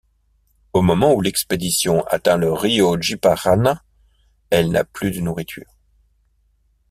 Au moment où l'expédition atteint le rio Jiparaná, elle n'a plus de nourriture.